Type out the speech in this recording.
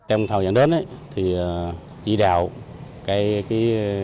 em thảo giảng đơn thì chỉ đào cái